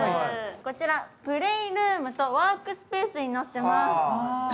こちら、プレイルームとワークスペースになっています。